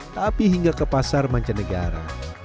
tapi hingga ke pasar mancanegara